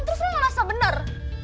terus lo gak rasa benar